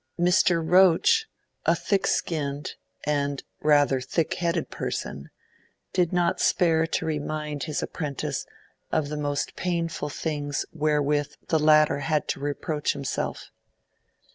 Mr. Roach, a thick skinned and rather thick headed person, did not spare to remind his apprentice of the most painful things wherewith the latter had to reproach himself.